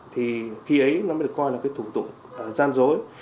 thì khi ấy nó mới được coi là cái thủ tục gian dối